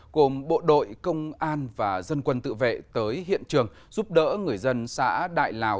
gồm bộ đội công an và dân quân tự vệ tới hiện trường giúp đỡ người dân xã đại lào